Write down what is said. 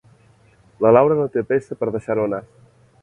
La Laura no té pressa per deixar-ho anar.